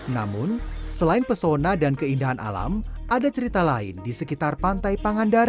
namun selain pesona dan keindahan alam ada cerita lain di sekitar pantai pangandaran